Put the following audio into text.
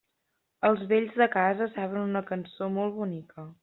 Els vells de casa saben una cançó molt bonica.